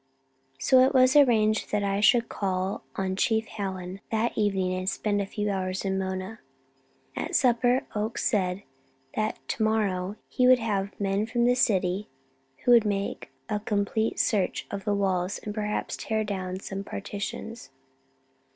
So it was arranged that I should call on Chief Hallen that evening and spend a few hours in Mona. At supper, Oakes said that tomorrow he would have men from the city who would make a complete search of the walls, and perhaps tear down some partitions.